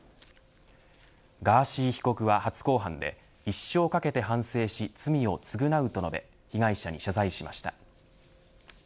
ガーシー被告は、初公判で一生かけて反省し罪を償うと述べ被害者に謝罪しました。